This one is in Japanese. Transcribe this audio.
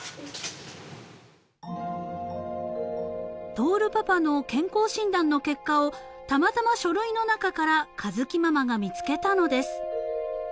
［亨パパの健康診断の結果をたまたま書類の中から佳月ママが見つけたのです］